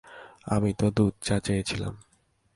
আমি তো দুধ চা চেয়েছিলাম।